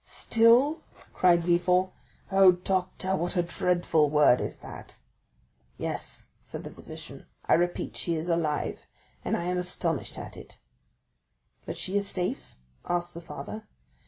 "Still?" cried Villefort; "oh, doctor, what a dreadful word is that." "Yes," said the physician, "I repeat it; she is still alive, and I am astonished at it." "But is she safe?" asked the father.